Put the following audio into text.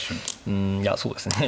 うんいやそうですね。